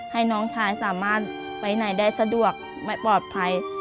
ให้น้องชายสามารถไปไหนได้สะดวกไม่ปลอดภัย